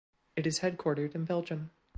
It is headquartered in Belgium.